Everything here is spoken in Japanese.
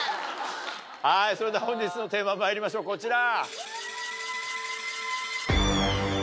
はいそれでは本日のテーマまいりましょうこちら。